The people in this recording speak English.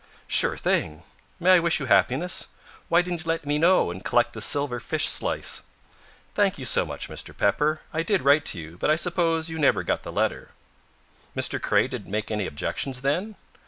"Sure thing. May I wish you happiness? Why didn't you let me know and collect the silver fish slice?" "Thank you so much, Mr. Pepper. I did write to you, but I suppose you never got the letter." "Mr. Craye didn't make any objections, then?"